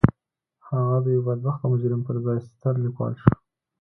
هغه د يوه بدبخته مجرم پر ځای ستر ليکوال شو.